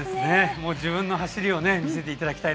もう自分の走りを見せていただきたい。